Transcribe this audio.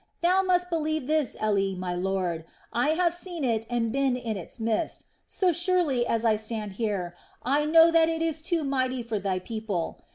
Thou must believe this, Eli, my Lord. I have seen it and been in its midst. So surely as I stand here, I know that it is too mighty for Thy people.